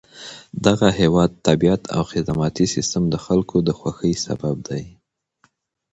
دغه هېواد طبیعت او خدماتي سیستم د خلکو د خوښۍ سبب دی.